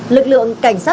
lực lượng cảnh sát